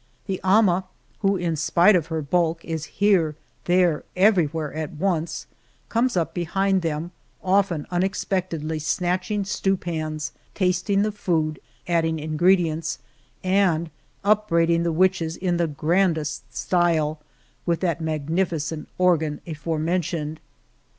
The ama, who, in spite of her bulk, is here, there, everywhere at once, comes up behind them, often unexpectedly snatching stew pans, tasting the food, adding ingredients, and upbraiding the witches in the grandest style, with that magnificent organ aforemen tioned.